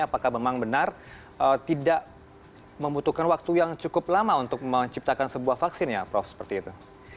apakah memang benar tidak membutuhkan waktu yang cukup lama untuk menciptakan sebuah vaksin ya prof seperti itu